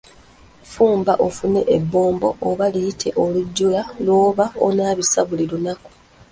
Fuba ofune ebbombo oba liyite olujjula ly'oba onaabisa buli lunaku.